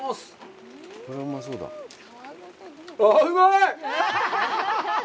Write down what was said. うまい！